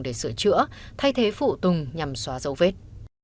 để sửa chữa thay thế phụ tùng nhằm xóa dấu vết